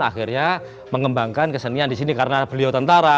akhirnya mengembangkan kesenian disini karena beliau tentara